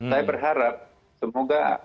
saya berharap semoga